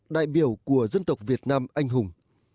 đại biểu của dân tộc việt nam anh hùng